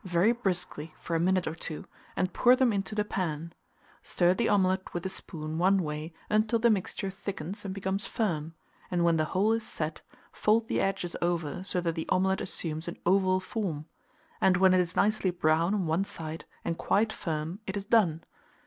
very briskly for a minute or two, and pour them into the pan; stir the omelet with a spoon one way until the mixture thickens and becomes firm, and when the whole is set, fold the edges over, so that the omelet assumes an oval form; and when it is nicely brown on one side, and quite firm, it is done.